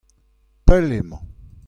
pell emañ.